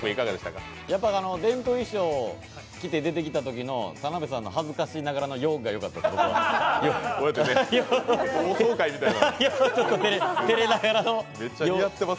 伝統衣装を着て出てきたときの田辺さんの恥ずかしながらの「よっ」が良かったです。